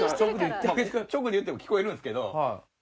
直で言っても聞こえるんですけど。